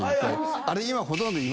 あれ今。